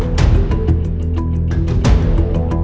ไหนไหน